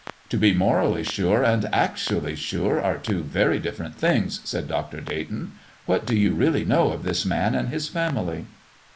"To be morally sure and actually sure are two very different things," said Dr. Dayton. "What do you really know of this man and his family?"